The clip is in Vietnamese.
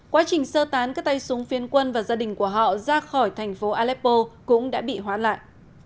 quá trình sơ tán các tay súng phiên quân và gia đình của họ ra khỏi thành phố aleppo cũng đã bị hoán lại